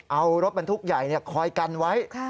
เอารถบรรทุกใหญ่คอยกันไว้